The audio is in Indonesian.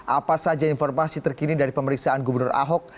apa saja informasi terkini dari pemeriksaan gubernur ahok